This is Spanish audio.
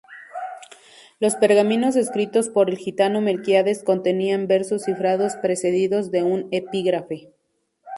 Los pergaminos escritos por el gitano Melquíades contenían versos cifrados precedidos de un epígrafe.